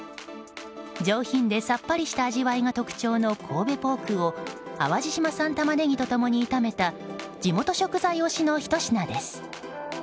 上品でさっぱりした味わいが特徴の神戸ポークを淡路島産タマネギと共に炒めた地元推し産のひと品です。